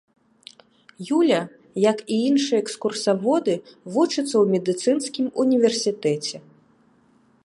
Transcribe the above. Юля, як і іншыя экскурсаводы, вучыцца ў медыцынскім універсітэце.